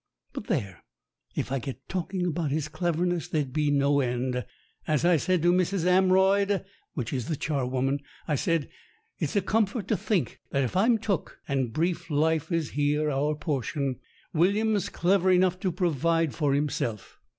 But there, if I get talking about his cleverness there'd be no end. As I said to Mrs. Am royd, which is the charwoman, I said, "It's a comfort to think that if I'm took, and brief life is here our portion, William's clever enough to provide for him self."